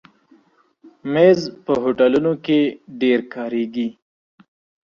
مېز په هوټلونو کې ډېر کارېږي.